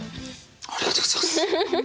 ありがとうございます。